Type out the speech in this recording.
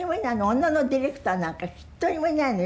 女のディレクターなんか一人もいないのよ。